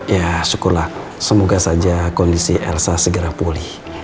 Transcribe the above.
ya syukurlah semoga saja kondisi elsa segera pulih